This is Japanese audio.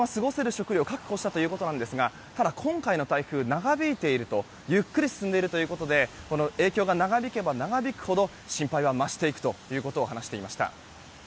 食料は確保したということなんですがただ、今回の台風長引いているとゆっくり進んでいるということで影響が長引けば長引くほど心配は増していくと話していました。